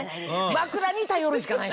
枕に頼るしかない。